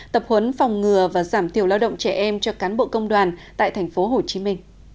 tập huấn phòng ngừa và giảm thiểu lao động trẻ em cho cán bộ công đoàn tại tp hcm